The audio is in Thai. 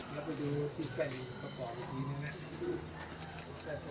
อุ่นไปดูมีไข่มือหวานหรือไม่นะคะ